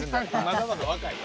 まだまだ若いと。